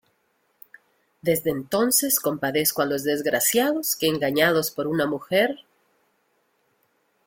desde entonces compadezco a los desgraciados que engañados por una mujer